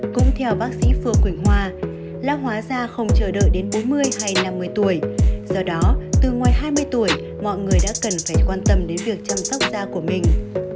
cũng theo bác sĩ phương quỳnh hoa la hóa da không chờ đợi đến bốn mươi hay năm mươi tuổi do đó từ ngoài hai mươi tuổi mọi người đã cần phải quan tâm đến việc chăm sóc da của mình